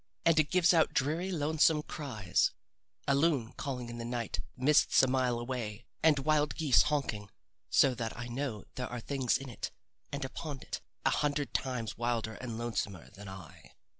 And it gives out dreary lonesome cries a loon calling in the night mists a mile away, and wild geese honking so that I know there are things in it and upon it a hundred times wilder and lonesomer than I.